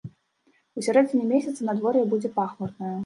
У сярэдзіне месяца надвор'е будзе пахмурнае.